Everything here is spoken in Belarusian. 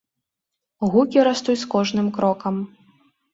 Гукі растуць з кожным крокам.